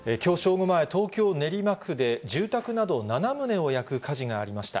午前、東京・練馬区で住宅など７棟を焼く火事がありました。